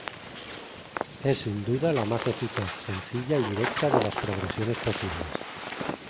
Es sin duda la más eficaz, sencilla y directa de las progresiones posibles.